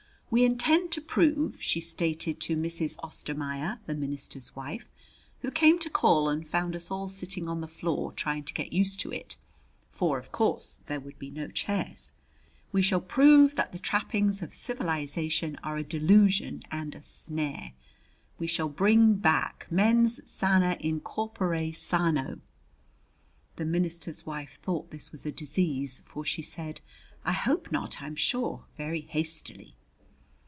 "We intend to prove," she stated to Mrs. Ostermaier, the minister's wife, who came to call and found us all sitting on the floor trying to get used to it, for of course there would be no chairs, "we shall prove that the trappings of civilization are a delusion and a snare. We shall bring back 'Mens sana in corpore sano'." The minister's wife thought this was a disease, for she said, "I hope not, I'm sure," very hastily.